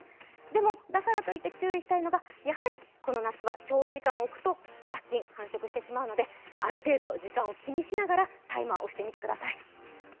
でも、だからといって注意したいのは、やはりこの夏は長時間おくと雑菌繁殖してしまうので、ある程度時間を気にしながらタイマー押してみてください。